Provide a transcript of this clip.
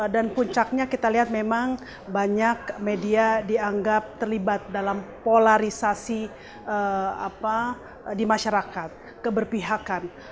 dan puncaknya kita lihat memang banyak media dianggap terlibat dalam polarisasi di masyarakat keberpihakan